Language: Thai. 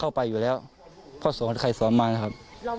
เอามาไว้ทีหลังครับ